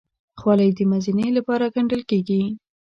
خولۍ د مزینۍ لپاره ګنډل کېږي.